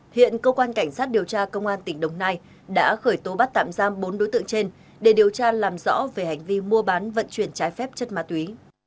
hiện công an tp hcm đã khởi tố bắt tạm giam bốn đối tượng trên để điều tra làm rõ về hành vi mua bán vận chuyển trái phép chất ma túy